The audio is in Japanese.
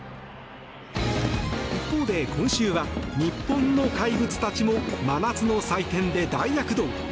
一方で、今週は日本の怪物たちも真夏の祭典で大躍動。